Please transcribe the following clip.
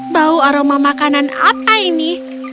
bau aroma makanan apa ini